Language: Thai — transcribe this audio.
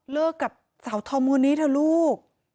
กับสาวธอมคนนี้เถอะลูก